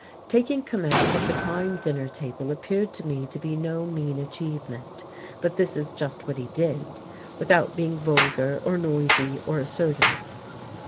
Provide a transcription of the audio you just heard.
Taking command of the Kyme dinner table appeared to me to be no mean achievement, but this is just what he did, without being vulgar or noisy or assertive.